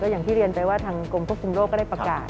อย่างที่เรียนไปว่าทางกรมควบคุมโรคก็ได้ประกาศ